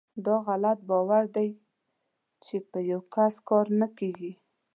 داغلط باور دی چې په یوکس کار نه کیږي .